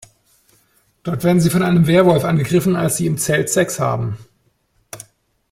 Dort werden sie von einem Werwolf angegriffen als sie im Zelt Sex haben.